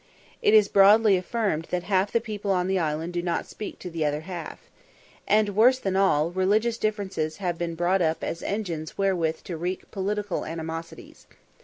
It is broadly affirmed that half the people on the island do not speak to the other half. And, worse than all, religious differences have been brought up as engines wherewith to wreak political animosities.